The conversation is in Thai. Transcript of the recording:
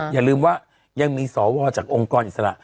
อย่าลืมว่ายังมีสวจากองค์กรอิสระ